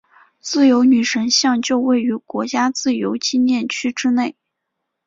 自由女神像就位于国家自由纪念区之内。